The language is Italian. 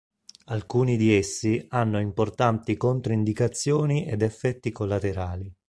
Alcuni di essi hanno importanti controindicazioni ed effetti collaterali.